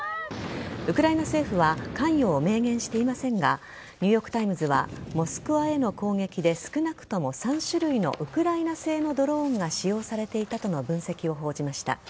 ウクライナ政府は関与を明言していませんがニューヨーク・タイムズはモスクワへの攻撃で少なくとも３種類のウクライナ製のドローンが使用されていたとの分析を報じました。